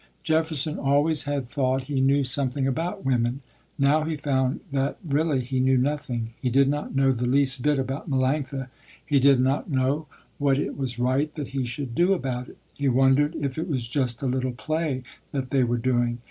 Jefferson always had thought he knew something about women. Now he found that really he knew nothing. He did not know the least bit about Melanctha. He did not know what it was right that he should do about it. He wondered if it was just a little play that they were doing.